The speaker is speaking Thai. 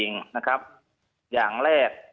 ทีนี้วันอาทิตย์หยุดแล้วก็วันจันทร์ก็หยุด